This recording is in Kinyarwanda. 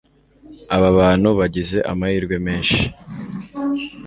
Aba bantu bagize amahirwe menshi